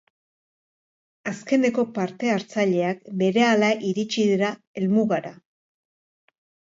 Azkeneko parte-hartzaileak berehala iritsi dira helmugara.